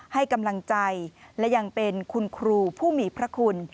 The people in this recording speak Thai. ให้กำลังใจและยังเป็นคุณครูผู้มีพระคุณ